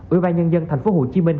ủy ban nhân dân thành phố hồ chí minh